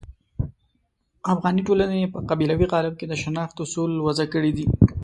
افغاني ټولنې په قبیلوي قالب کې د شناخت اصول وضع کړي دي.